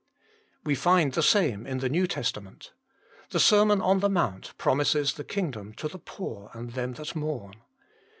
We find the same in the New Testament. The Sermon on the Mount promises the kingdom to the poor and them that mourn.